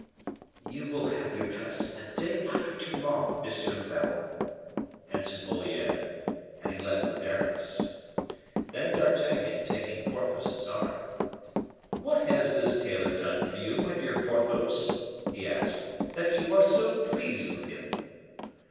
"You will have your dress the day after to morrow, monsieur le baron," answered Moliere. And he left with Aramis. Then D'Artagnan, taking Porthos's arm, "What has this tailor done for you, my dear Porthos," he asked, "that you are so pleased with him?"